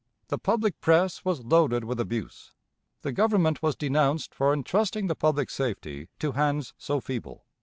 The public press was loaded with abuse. The Government was denounced for intrusting the public safety to hands so feeble.